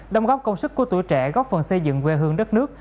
đồng góp công sức của tuổi trẻ góp phần xây dựng quê hương đất nước